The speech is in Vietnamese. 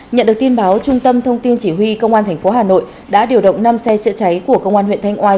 nhận được tin báo trung tâm thông tin chỉ huy công an tp hà nội đã điều động năm xe chữa cháy của công an huyện thanh oai